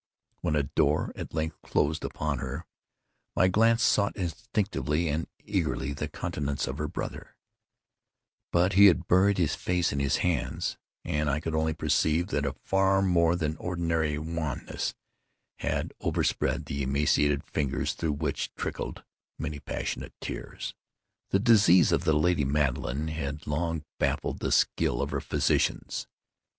When a door, at length, closed upon her, my glance sought instinctively and eagerly the countenance of the brother—but he had buried his face in his hands, and I could only perceive that a far more than ordinary wanness had overspread the emaciated fingers through which trickled many passionate tears. The disease of the lady Madeline had long baffled the skill of her physicians.